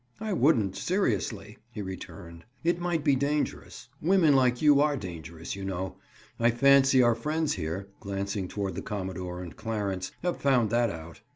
"I wouldn't, seriously," he returned. "It might be dangerous. Women like you are dangerous, you know. I fancy our friends here," glancing toward the commodore and Clarence, "have found that out.